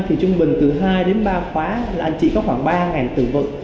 thì trung bình từ hai đến ba khóa là anh chị có khoảng ba từ vựng